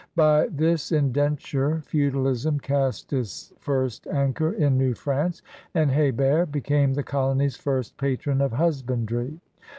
By this indenture feudalism cast its first anchor in New France, and H6bert became the colony's first patron of husbandry.